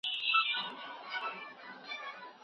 هغې وویل موږ باید د سرطان واکسین چټک کړو.